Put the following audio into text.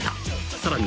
［さらに］